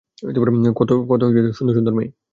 কত সুন্দর সুন্দর মেয়ে!